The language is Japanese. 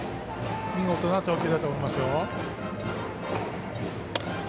見事な投球だと思いますよ。